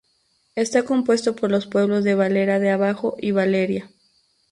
Está compuesto por los pueblos de Valera de Abajo y Valeria.